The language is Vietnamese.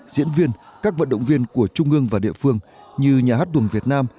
diễn viên các vận động viên của trung ương và địa phương như nhà hát tuồng việt nam